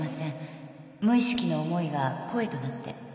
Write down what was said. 無意識の思いが声となって